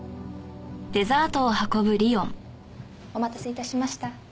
お待たせ致しました。